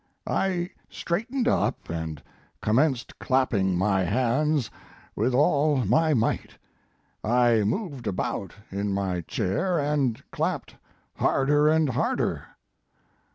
I straightened up and commenced clap ping my hands with all my might. I moved about in my chair and clapped harder and harder.